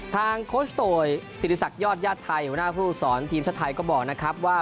โคชโตยศิริษักยอดญาติไทยหัวหน้าผู้สอนทีมชาติไทยก็บอกนะครับว่า